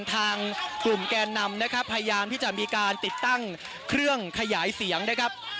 ทางกลุ่มแกนนำนะครับพยายามที่จะมีการติดตั้งเครื่องขยายเสียงนะครับ